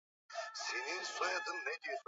Nyunyiza dawa za kuua viini katika mabanda ya mifugo